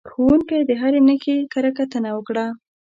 ښوونکي د هرې نښې کره کتنه وکړه.